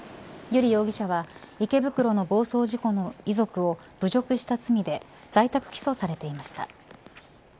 油利容疑者は池袋の暴走事故の遺族を侮辱した罪で在宅起訴されていました。